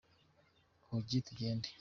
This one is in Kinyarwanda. Hogi tugende.